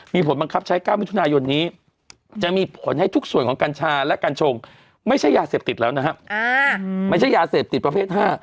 ไม่ใช่ยาเสบติดประเภท๕